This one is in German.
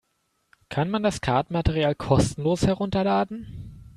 Kann man das Kartenmaterial kostenlos herunterladen?